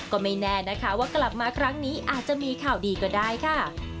ก็ไม่แน่นะคะว่ากลับมาครั้งนี้อาจจะมีข่าวดีก็ได้ค่ะ